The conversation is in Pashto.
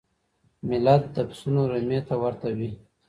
ملت د پسونو رمې ته ورته وي.